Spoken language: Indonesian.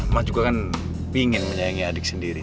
mah juga kan pingin menyayangi adik sendiri